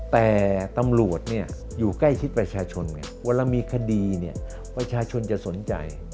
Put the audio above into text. แต่ตำรวจอยู่ใกล้ทิศประชาชนว่าเรามีคดีประชาชนจะสนใจ